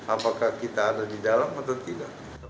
apakah kita ada di dalam atau tidak